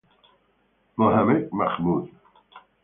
Mohamed Mahmoud